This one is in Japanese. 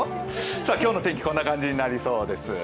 今日の天気、こんな感じになりそうです。